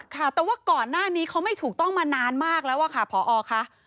ค่ะแต่ว่าก่อนหน้านี้เขาไม่ถูกต้องมานานมากแล้วอะค่ะพอค่ะ